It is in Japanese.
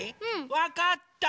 わかった！